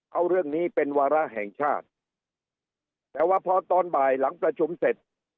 เอาเรื่องนี้เป็นวาระแห่งชาติแต่ว่าพอตอนบ่ายหลังประชุมเสร็จ